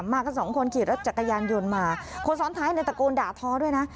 มากันสองคนขี่รถจักรยานยนต์มาคนซ้อนท้ายในตะโกนด่าท้อด้วยนะ